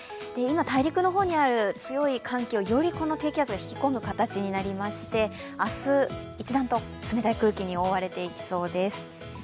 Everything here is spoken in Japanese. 今、大陸の方にある強い寒気を、よりこの低気圧が引き込む形になりまして、明日、一段と冷たい空気に覆われていきそうです。